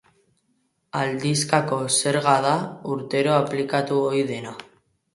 Aldizkako zerga da, urtero aplikatu ohi dena.